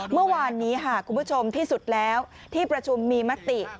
เมื่อวานนี้ค่ะคุณผู้ชมที่สุดแล้วที่ประชุมมีมติ